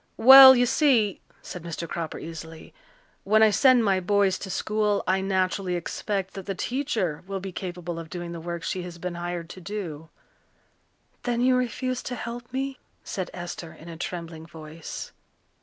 "Well, you see," said Mr. Cropper easily, "when I send my boys to school I naturally expect that the teacher will be capable of doing the work she has been hired to do." "Then you refuse to help me?" said Esther in a trembling voice.